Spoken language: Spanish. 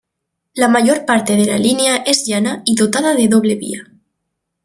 La mayor parte de la línea es llana y dotada de doble vía.